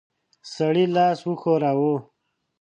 سړي لاس وښوراوه.